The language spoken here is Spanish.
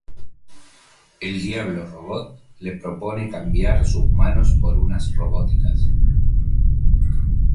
El Diablo Robot le propone cambiar sus manos por unas robóticas.